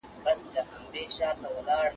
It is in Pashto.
زه به اوږده موده ليک لوستی وم؟!